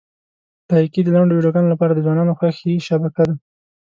لایکي د لنډو ویډیوګانو لپاره د ځوانانو خوښې شبکه ده.